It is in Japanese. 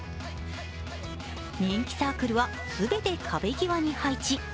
人気サークルは全て壁際に配置。